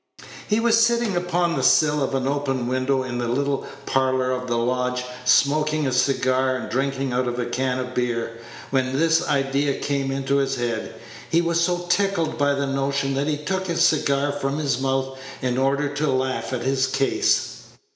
He was sitting upon the sill of an open window in the little parlor of the lodge, smoking a cigar and drinking out of a can of beer, when this idea came into his head. He was so tickled by the notion that he took his cigar from his mouth in order to laugh at his case.